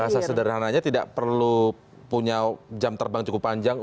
bahasa sederhananya tidak perlu punya jam terbang cukup panjang